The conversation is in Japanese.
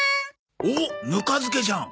おっぬか漬けじゃん。